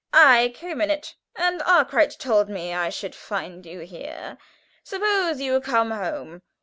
I came in it, and Arkwright told me I should find you here. Suppose you come home.